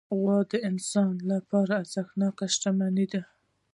غوا د انسان لپاره ارزښتناکه شتمني ده.